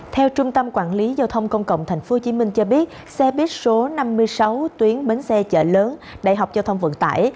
theo trung tâm quản lý giao thông công cộng tp hcm cho biết xe buýt số năm mươi sáu tuyến bến xe chợ lớn đại học giao thông vận tải